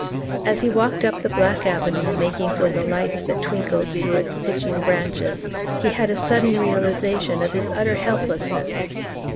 As he walked up the black avenue, making for the lights that twinkled through its pitching branches, he had a sudden realisation of his utter helplessness.